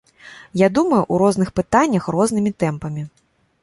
Я думаю, у розных пытаннях рознымі тэмпамі.